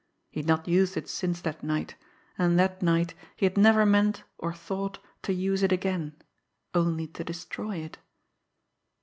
He had not used it since that night, and that night he had never meant or thought to use it again only to destroy it!